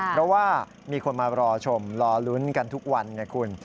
เพราะว่ามีคนมารอชมรอลุ้นกันทุกวันไงคุณ